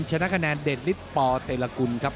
ชนะคะแนนเดชฤทธปเตรกุลครับ